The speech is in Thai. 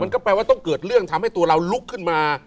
ก็แปลว่าต้องเกิดเรื่องทำให้ตัวเราลุกขึ้นมา